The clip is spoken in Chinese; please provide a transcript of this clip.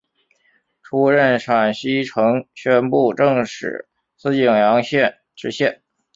出任陕西承宣布政使司泾阳县知县。